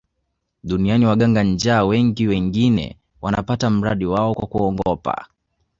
Duniani waganga njaa wengi wengine wanapata mradi wao kwa kuongopa